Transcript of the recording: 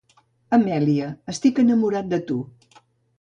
Amèlia, estic enamorat de tu.